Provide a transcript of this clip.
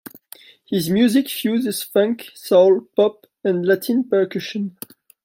His music fuses funk, soul, pop and Latin percussion.